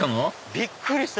びっくりした！